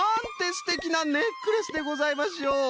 すてきなネックレスでございましょう！